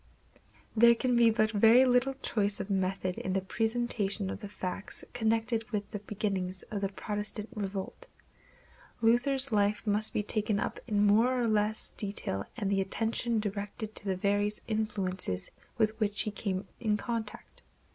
There can be but very little choice of method in the presentation of the facts connected with the beginnings of the Protestant revolt. Luther's life must be taken up in more or less detail and the attention directed to the various influences with which he came in contact.